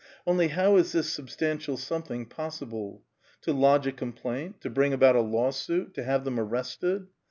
Only how is this substantfal something possi ble? To lodge a complaint, to bring about a lawsuit, to have them arrested